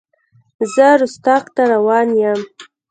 زه رُستاق ته روان یم.